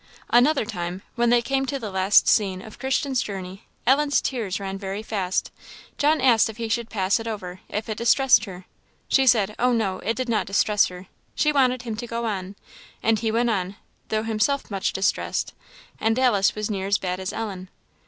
Another time, when they came to the last scene of Christian's journey, Ellen's tears ran very fast. John asked if he should pass it over, if it distressed her? She said, "Oh, no, it did not distress her;" she wanted him to go on, and he went on, though himself much distressed, and Alice was near as bad as Ellen.